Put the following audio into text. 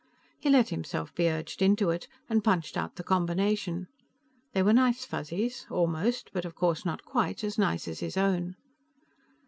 He let himself be urged into it, and punched out the combination. They were nice Fuzzies; almost, but of course not quite, as nice as his own.